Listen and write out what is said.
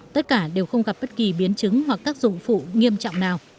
tất cả đều không gặp bất kỳ biến chứng hoặc các dụng phụ nghiêm trọng nào